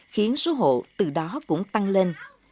khiến số hộ từ đó cũng tăng lên